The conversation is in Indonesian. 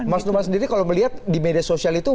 mas numar sendiri kalau melihat di media sosial itu